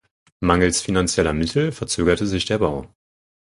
Mangels finanzieller Mittel verzögerte sich der Bau.